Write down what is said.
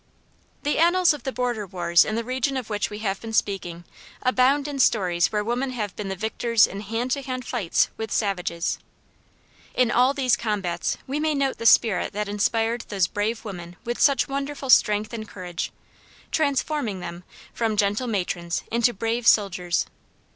The annals of the border wars in the region of which we have been speaking abound in stories where women have been the victors in hand to hand fights with savages. In all these combats we may note the spirit that inspired those brave women with such wonderful strength and courage, transforming them, from gentle matrons into brave soldiers.